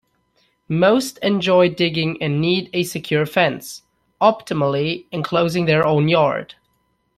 Most enjoy digging and need a secure fence, optimally enclosing their own yard.